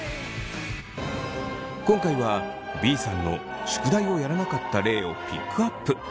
今回はＢさんの宿題をやらなかった例をピックアップ。